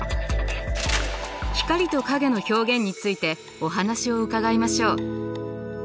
光と影の表現についてお話を伺いましょう。